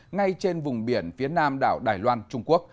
ngay trên vùng biển phía nam đảo đài loan trung quốc